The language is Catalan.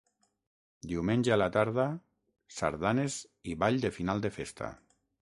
Diumenge a la tarda: sardanes i ball de final de festa.